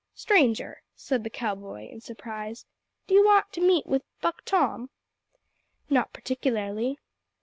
"Stranger," said the cow boy in surprise, "d'ye want to meet wi' Buck Tom?" "Not particularly."